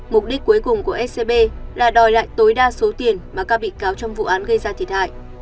mục đích cuối cùng của scb là đòi lại tối đa số tiền mà các bị cáo trong vụ án gây ra thiệt hại